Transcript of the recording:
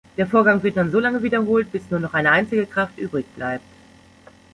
Der Vorgang wird dann solange wiederholt bis nur noch eine einzige Kraft übrig bleibt.